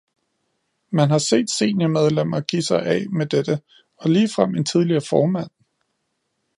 Man har set seniormedlemmer give sig af med dette, og ligefrem en tidligere formand.